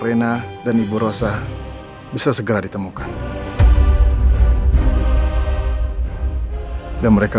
ya dah pak kalau gitu saya doan ya